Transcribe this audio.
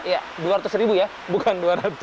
ya dua ratus ribu ya bukan dua ratus